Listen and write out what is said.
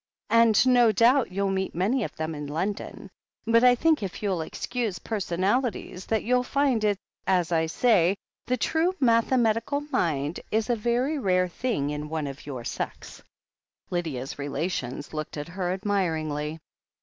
"And no doubt you'll meet many of them in London. But I think, if you'll excuse personalities, that you'll find it's as I say — the true mathematical mind is a very rare thing in one of your sex." Lydia's relations looked at her admiringly.